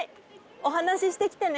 お話ししてきてね。